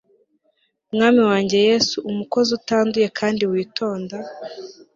Mwami wanjye Yesu umukozi utanduye kandi witonda